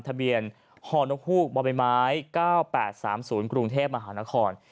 ทะเบียนฮฮบม๙๘๓๐กรุงเทพฯมหานคร